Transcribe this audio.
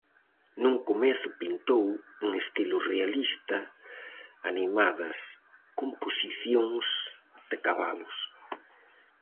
Nun comezo pintou, en estilo realista, animadas composicións de cabalos.